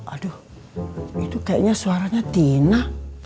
aduh itu kayaknya suaranya tina